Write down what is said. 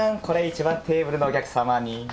これ１番テーブルのお客さまに。